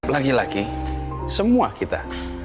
lagi lagi semua kita